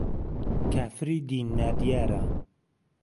کافری دین نا دییاره